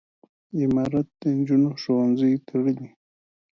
امارت د نجونو ښوونځي تړلي.